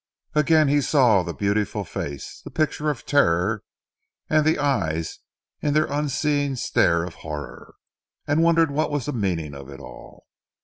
Again he saw the beautiful face, the picture of terror and the eyes in their unseeing stare of horror, and wondered what was the meaning of it all.